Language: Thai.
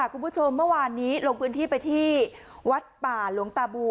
คุณผู้ชมเมื่อวานนี้ลงพื้นที่ไปที่วัดป่าหลวงตาบู